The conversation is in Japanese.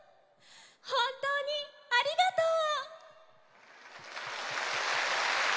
ほんとうにありがとう！